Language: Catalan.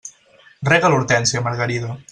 Rega l'hortènsia, Margarida.